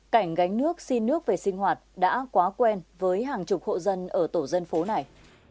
cảnh gánh nước xin nước về sinh hoạt đã quá quen với hàng chục hộ dân ở tổ dân phố này